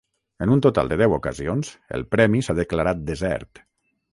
En un total de deu ocasions el premi s'ha declarat desert.